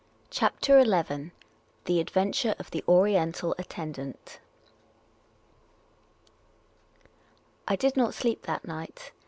CHAPTER XI 1 THE ADVRNTURK OK TIIK ORIKXTAL ATTENDANT DID not sleep that night.